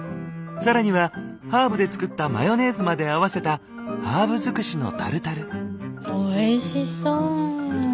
更にはハーブで作ったマヨネーズまで合わせたハーブづくしのタルタル。